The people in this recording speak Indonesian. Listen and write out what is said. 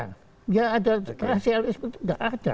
enggak ada rasialisme enggak ada